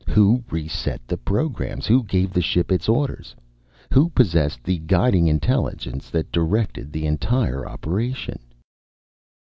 Who reset the programs, who gave the ship its orders, who possessed the guiding intelligence that directed the entire operation?